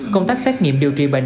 công tác xét nghiệm điều trị bệnh